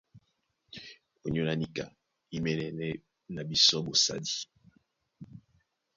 Ónyólá níka í mɛ̌nɛ́nɛ́ na bisɔ́ ɓosadi.